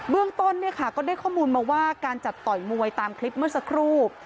เรื่องต้นก็ได้ข้อมูลมาว่าการจัดต่อยมวยตามคลิปเมื่อสักครู่